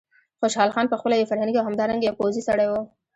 خوشحال خان په خپله یو فرهنګي او همدارنګه یو پوځي سړی و.